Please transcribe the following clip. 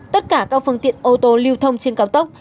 tất cả các phương tiện ô tô lưu thông trên cao tốc